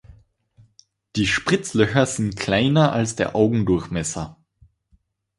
Die Spritzlöcher sind kleiner als der Augendurchmesser.